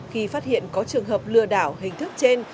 khi phát hiện có trường hợp lừa đảo hình thức trên